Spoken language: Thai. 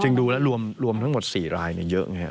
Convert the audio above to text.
จริงดูแล้วรวมทั้งหมด๔รายเนี่ยเยอะไงฮะ